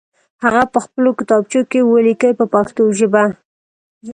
هغه په خپلو کتابچو کې ولیکئ په پښتو ژبه.